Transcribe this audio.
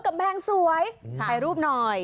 เกมแพงสวยไขรูปหน่อย